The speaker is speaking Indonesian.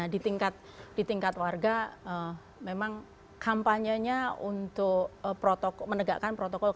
di tingkat warga memang kampanyenya untuk menegakkan protokol